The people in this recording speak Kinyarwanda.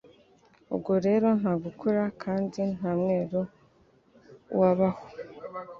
ubwo rero nta gukura kandi nta mwero wabaho.